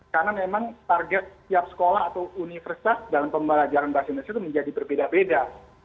karena memang target setiap sekolah atau universitas dalam pembelajaran bahasa indonesia itu menjadi berbeda beda